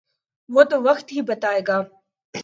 وہ تو وقت ہی بتائے گا۔